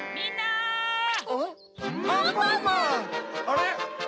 あれ？